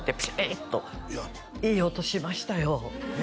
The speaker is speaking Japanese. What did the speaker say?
っといい音しましたよへ